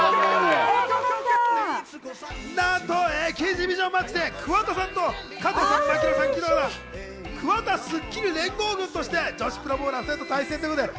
なんとエキシビションマッチで桑田さんと加藤さん、槙野さん、義堂アナが桑田・スッキリ連合軍として、女子プロボウラー２人と対戦したんです。